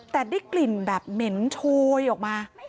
แต่ได้กลิ่นแบบเหม็นโชยออกมา